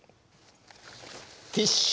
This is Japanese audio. ティッシュ！？